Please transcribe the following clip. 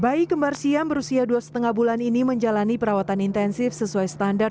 baik kembar siang berusia dua setengah bulan ini menjalani perawatan intensif sesuai standar